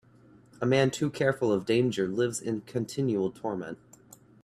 A man too careful of danger lives in continual torment.